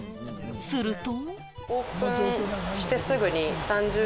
すると。